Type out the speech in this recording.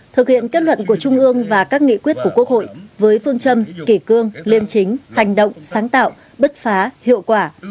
thực hiện kết luận của trung ương và các nghị quyết của quốc hội với phương châm kỷ cương liêm chính hành động sáng tạo bứt phá hiệu quả